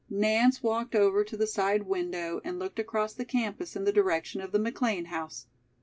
Nance walked over to the side window and looked across the campus in the direction of the McLean house.